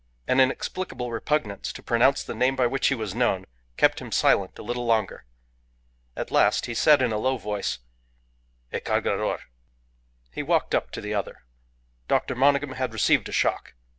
An inexplicable repugnance to pronounce the name by which he was known kept him silent a little longer. At last he said in a low voice "A Cargador." He walked up to the other. Dr. Monygham had received a shock.